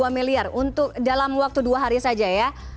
dua miliar untuk dalam waktu dua hari saja ya